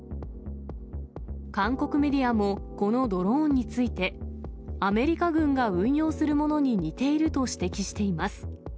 韓国メディアもこのドローンについて、アメリカ軍が運用するものに似ていると指摘しています。